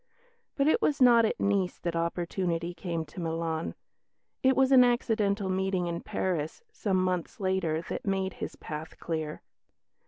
But it was not at Nice that opportunity came to Milan. It was an accidental meeting in Paris, some months later, that made his path clear.